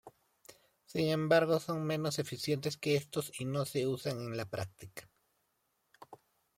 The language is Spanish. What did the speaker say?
Sin embargo son menos eficientes que estos y no se usan en la práctica.